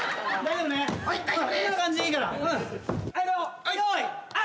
はい。